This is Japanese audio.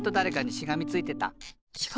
しがみついてた？